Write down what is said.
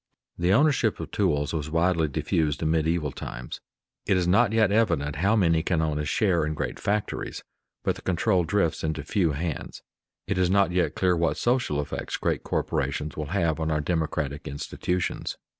_ The ownership of tools was widely diffused in medieval times. It is not yet evident how many can own a share in great factories, but the control drifts into few hands. It is not yet clear what social effects great corporations will have on our democratic institutions.